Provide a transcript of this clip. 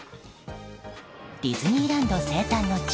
ディズニーランド生誕の地